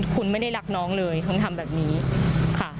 คุณไม่ได้รักน้องเลยคุณทำแบบนี้ค่ะ